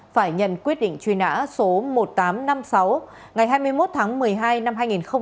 phải nhận quyết định truy nã số một nghìn tám trăm năm mươi sáu ngày hai mươi một tháng một mươi hai năm hai nghìn một mươi ba